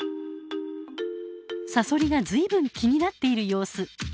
サソリがずいぶん気になっている様子。